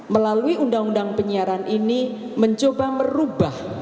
melalui undang undang penyiaran ini mencoba merubah